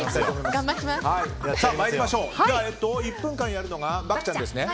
参りましょう１分間やるのが漠ちゃんですね。